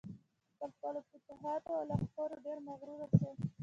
چې پر خپلو فتوحاتو او لښکرو ډېر مغرور شو.